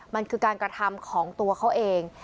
มันคือการกระทำของตัวเขาเอง